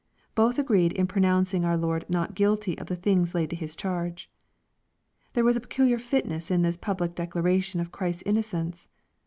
Both agreed in pronouncing our Lord not guilty of the things laid to His charge. There was a peculiar fitness in this public declaration of Christ's innocence.